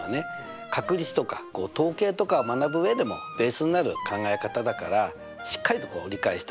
確率とか統計とかを学ぶ上でもベースになる考え方だからしっかりと理解した方がね